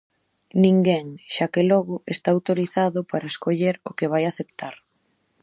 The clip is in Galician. Ninguén, xa que logo, está autorizado para escoller o que vai aceptar.